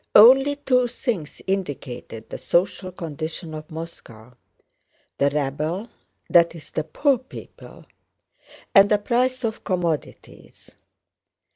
Only two things indicated the social condition of Moscow—the rabble, that is the poor people, and the price of commodities.